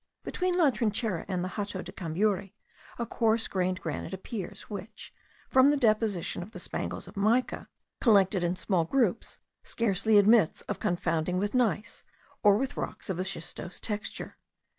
Between La Trinchera and the Hato de Cambury a coarse grained granite appears, which, from the disposition of the spangles of mica, collected in small groups, scarcely admits of confounding with gneiss, or with rocks of a schistose texture.